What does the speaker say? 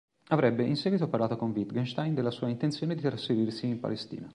Avrebbe in seguito parlato con Wittgenstein della sua intenzione di trasferirsi in Palestina.